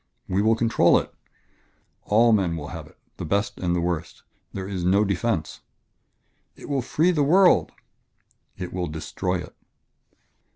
"We will control it." "All men will have it the best and the worst ... and there is no defence." "It will free the world " "It will destroy it."